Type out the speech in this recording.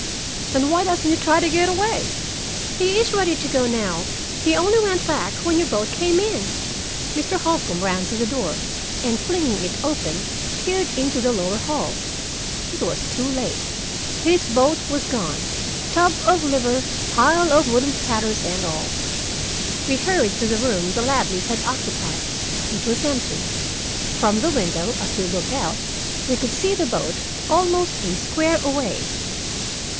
"Then why doesn't he try to get away?" "He is ready to go now. He only went back when your boat came in." Mr. Holcombe ran to the door, and flinging it open, peered into the lower hall. He was too late. His boat was gone, tub of liver, pile of wooden platters and all! We hurried to the room the Ladleys had occupied. It was empty. From the window, as we looked out, we could see the boat, almost a square away.